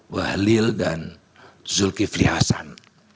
walil dan zulkifli hasan